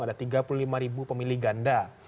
ada tiga puluh lima ribu pemilih ganda